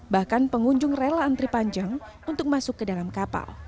bahkan pengunjung rela antri panjang untuk masuk ke dalam kapal